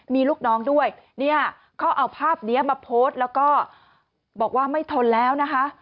มีลูกน้องด้วยเนี่ยเขาเอาภาพนี้มาโพสต์แล้วก็บอกว่าไม่ทนแล้วนะคะ